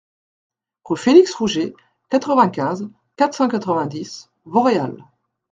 Rue Felix Rouget, quatre-vingt-quinze, quatre cent quatre-vingt-dix Vauréal